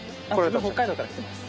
自分北海道から来てます。